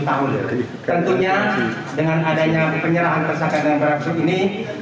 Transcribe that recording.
tentunya dengan adanya penyerahan tersangka dan warang dukti ini